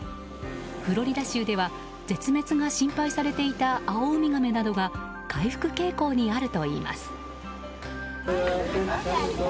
フロリダ州では絶滅が心配されていたアオウミガメなどが回復傾向にあるといいます。